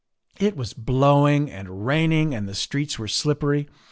It was blowing and raining and the streets were slippery.